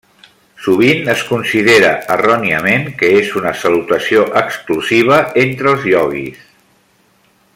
Sovint es considera erròniament que és una salutació exclusiva entre els ioguis.